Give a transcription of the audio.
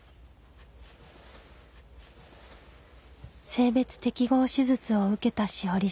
性別適合手術を受けた志織さん。